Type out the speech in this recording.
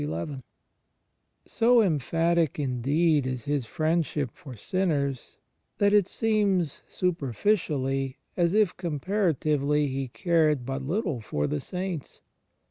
* So emphatic, indeed, is His Friendship for sinners that it seems, superficially, as if comparatively He cared but little for the saints.